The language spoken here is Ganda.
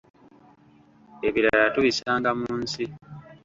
Ebirala tubisanga mu nsi.